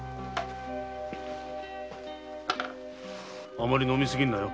あまり飲み過ぎるなよ。